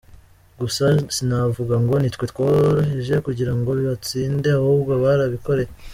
Gusa sinavuga ngo nitwe tworoheje kugira ngo batsinde ahubwo barabikoreye.